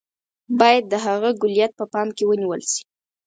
باید د هغه کُلیت په پام کې ونیول شي.